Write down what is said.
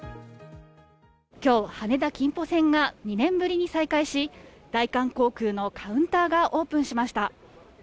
今日、羽田ーキンポ便がおよそ２年ぶりに再開し、大韓航空のカウンターがオープンしました。